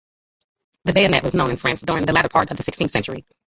The bayonet was known in France during the latter part of the sixteenth century.